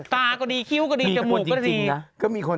ตาก็ดีคิ้วก็ดีจมูกก็ดี